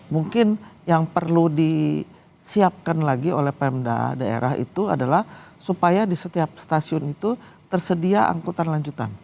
mungkin yang perlu disiapkan lagi oleh pemda daerah itu adalah supaya di setiap stasiun itu tersedia angkutan lanjutan